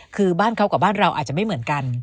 คือบ้านเขากับบ้านเราอาจจะไม่เหมือนกัน